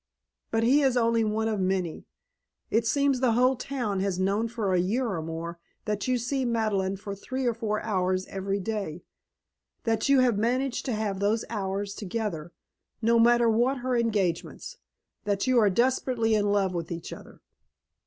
But he is only one of many. It seems the whole town has known for a year or more that you see Madeleine for three or four hours every day, that you have managed to have those hours together, no matter what her engagements, that you are desperately in love with each other.